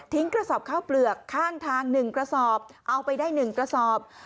กระสอบข้าวเปลือกข้างทาง๑กระสอบเอาไปได้๑กระสอบ